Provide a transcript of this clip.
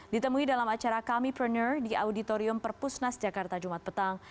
ditemui dalam acara kami preneur di auditorium perpusnas jakarta jumat petang